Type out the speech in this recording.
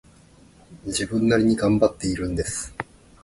自分なりに頑張っているんです